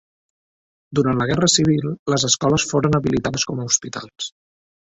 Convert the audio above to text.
Durant la Guerra Civil les escoles foren habilitades com a hospitals.